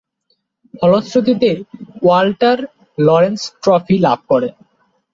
ফলশ্রুতিতে Walter Lawrence trophy লাভ করেন।